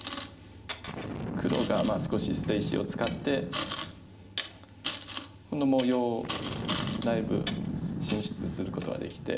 黒が少し捨て石を使ってこの模様だいぶ進出することができて。